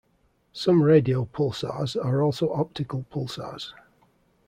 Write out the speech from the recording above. Some radio pulsars are also optical pulsars.